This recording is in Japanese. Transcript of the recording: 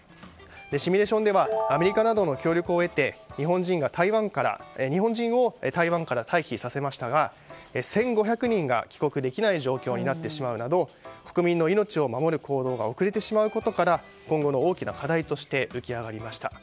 シミュレーションではアメリカなどの協力を得て日本人を台湾から退避させましたが１５００人が帰国できない状況になってしまうなど国民の命を守る行動が遅れてしまうことから今後の大きな課題として浮き上がりました。